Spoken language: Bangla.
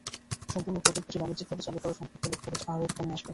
সম্পূর্ণ প্রকল্পটি বাণিজ্যিকভাবে চালু করা সম্ভব হলে খরচ আরও কমে আসবে।